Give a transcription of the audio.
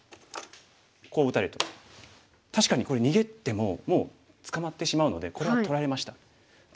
こう打たれると確かにこれ逃げてももう捕まってしまうのでこれは取られました。